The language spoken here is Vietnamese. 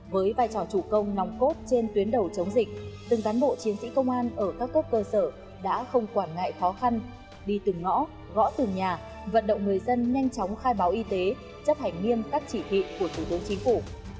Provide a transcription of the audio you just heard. với vai trò chủ công nóng cốt trên tuyến đầu chống dịch từng cán bộ chiến sĩ công an ở các cấp cơ sở đã không quản ngại khó khăn đi từng ngõ gõ từng nhà vận động người dân nhanh chóng khai báo y tế chấp hành nghiêm các chỉ thị của thủ tướng chính phủ